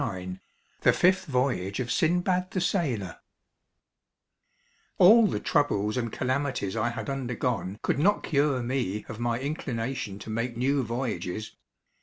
Lowell THE FIFTH VOYAGE OF SINBAD THE SAILOR All the troubles and calamities I had undergone could not cure me of my inclination to make new voyages.